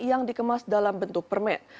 yang dikemas dalam bentuk permen